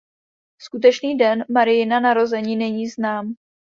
Skutečný den Mariina narození není znám.